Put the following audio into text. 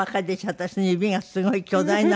私の指がすごい巨大な。